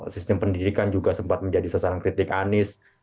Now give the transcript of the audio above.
sistem pendidikan juga sempat menjadi sasaran kritik anies